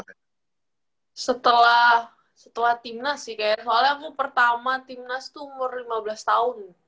karena setelah timnas sih kayak soalnya aku pertama timnas tuh umur lima belas tahun